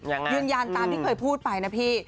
ยืนยันตามที่เคยพูดไปนะพี่